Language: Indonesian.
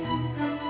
aku mau jalan